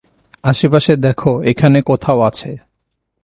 আশেপাশে দেখো, এখানে কোথাও আছে।